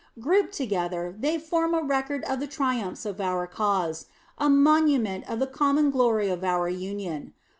Grouped together, they form a record of the triumphs of our cause, a monument of the common glory of our Union.